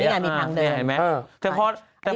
นี่ไงมีทางเดิน